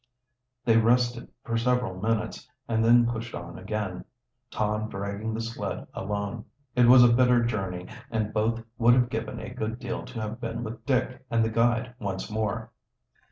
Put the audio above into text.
They rested for several minutes, and then pushed on again, Tom dragging the sled alone. It was a bitter journey, and both would have given a good deal to have been with Dick and the guide once more.